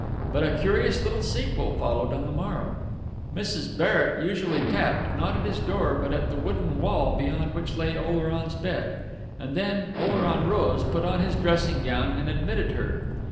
But a curious little sequel followed on the morrow. Mrs. Barrett usually tapped, not at his door, but at the wooden wall beyond which lay Oleron's bed; and then Oleron rose, put on his dressing gown, and admitted her.